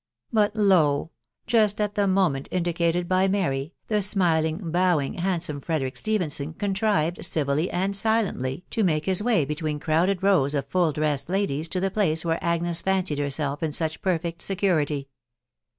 But lo ! just at the moment indicated by Mary, the smiling, bowing, handsome Frederick Stephenson contrived civilly and silently to make his way between crowded rows of full dressed ladies to the place where Agnea fancied herself in such perfect security.